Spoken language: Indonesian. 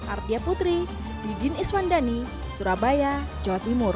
ardia putri didin iswandani surabaya jawa timur